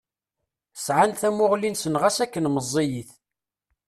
Sɛan tamuɣli-nsen ɣas akken meẓẓiyit.